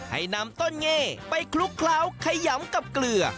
ให้นำต้นเง่ไปคลุกเคล้าขยำกับเกลือ